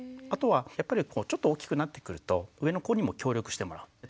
あとはちょっと大きくなってくると上の子にも協力してもらう。